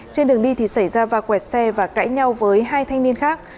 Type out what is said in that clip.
trên đường đi thì xảy ra va quẹt xe và cãi nhau với hai thanh niên khác